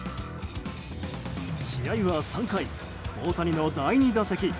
試合は３回、大谷の第２打席。